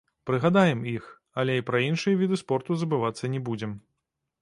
Прыгадаем іх, але і пра іншыя віды спорту забывацца не будзем.